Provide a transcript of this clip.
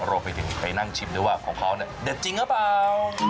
รวมไปถึงไปนั่งชิมด้วยว่าของเขาเนี่ยเด็ดจริงหรือเปล่า